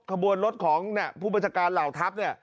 ขบวนรถของผู้บัญชาการเหล่าทัพเนี่ย